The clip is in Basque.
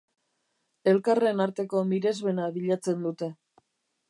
Elkarren arteko miresmena bilatzen dute.